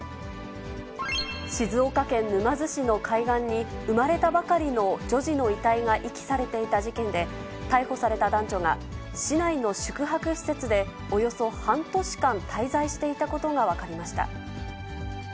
静岡県沼津市の海岸に、生まれたばかりの女児の遺体が遺棄されていた事件で、逮捕された男女が、市内の宿泊施設でおよそ半年間、滞在していたことが分かりました。